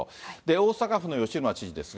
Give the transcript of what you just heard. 大阪府の吉村知事ですが。